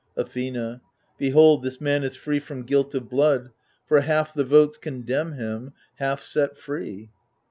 Athena Behold, this man is free from guilt of blood, For half the votes condemn him, half set free